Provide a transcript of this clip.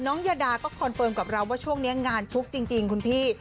ยาดาก็คอนเฟิร์มกับเราว่าช่วงนี้งานชุกจริงคุณพี่